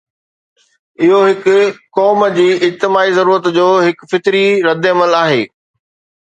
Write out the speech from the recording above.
اهو هڪ قوم جي اجتماعي ضرورت جو هڪ فطري ردعمل آهي.